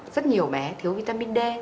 rất nhiều bé thiếu vitamin d